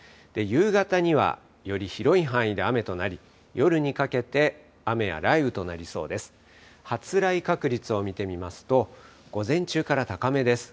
夕方にはより広い範囲で雨となり、夜にかけて、雨や雷雨となりそうです。